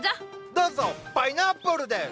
どうぞパイナップルです。